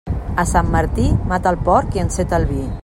A Sant Martí, mata el porc i enceta el vi.